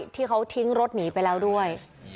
ที่เขาทิ้งรถหนีไปแล้วด้วย